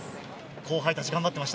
後輩たち、頑張っていました。